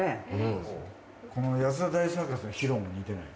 この安田大サーカスのヒロも似てない？